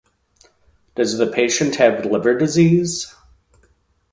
Does the patient have liver disease?